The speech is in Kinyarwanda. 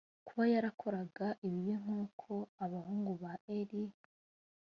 kuba yarakoraga ibibi nk’uko abahungu ba eli